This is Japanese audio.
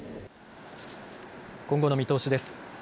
今後の見通しです。